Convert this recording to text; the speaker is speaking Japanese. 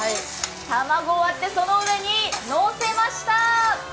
卵を割ってその上にのせました！